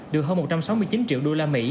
được hơn một trăm sáu mươi chín triệu usd